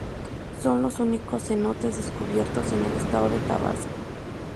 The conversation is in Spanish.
Son los únicos cenotes descubiertos en el estado de Tabasco.